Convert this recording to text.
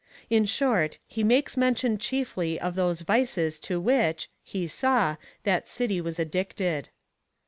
In short, he makes mention chiefly of those vices to which, he saw, that city was addicted.